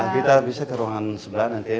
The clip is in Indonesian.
kita bisa ke ruangan sebelah nanti